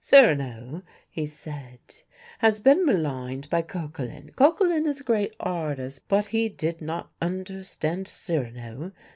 "Cyrano," he said, "has been maligned by Coquelin. Coquelin is a great artist, but he did not understand Cyrano.